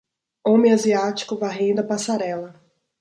Homem asiático varrendo a passarela.